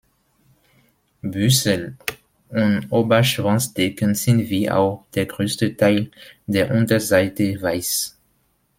Bürzel und Oberschwanzdecken sind wie auch der größte Teil der Unterseite weiß.